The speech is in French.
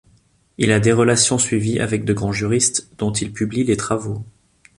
Il a des relations suivies avec de grands juristes, dont il publie les travaux.